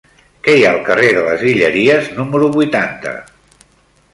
Què hi ha al carrer de les Guilleries número vuitanta?